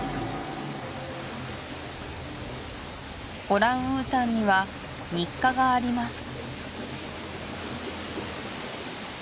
オランウータンには日課があります